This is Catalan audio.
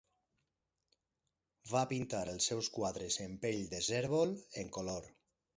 Va pintar els seus quadres en pell de cérvol en color.